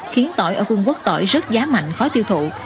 khiến tỏi ở quân quốc tỏi rớt giá mạnh khó tiêu thụ